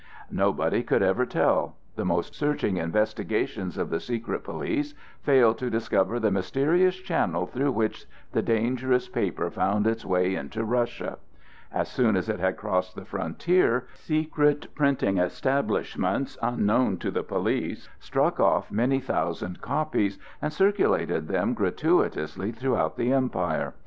Nobody could ever tell; the most searching investigations of the secret police failed to discover the mysterious channel through which the dangerous paper found its way into Russia. As soon as it had crossed the frontier, secret printing establishments, unknown to the police, struck off many thousand copies and circulated them gratuitously throughout the empire.